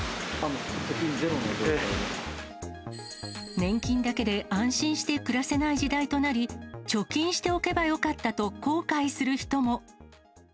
年金だけで安心して暮らせない時代となり、貯金しておけばよかったと後悔する人も。